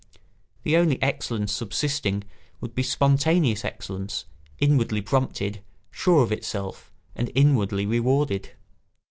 The only excellence subsisting would be spontaneous excellence, inwardly prompted, sure of itself, and inwardly rewarded.